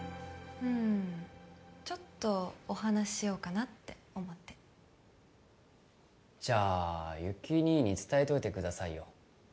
うーんちょっとお話ししようかなって思ってじゃあ有起兄に伝えといてくださいよ